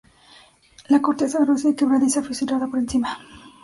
La corteza gruesa y quebradiza, fisurada por encima.